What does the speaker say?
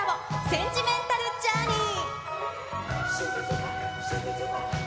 センチメンタル・ジャーニー。